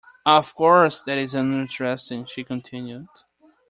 Of course, that is uninteresting, she continued.